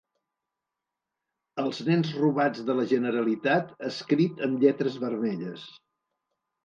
Els nens robats de la Generalitat, escrit en lletres vermelles.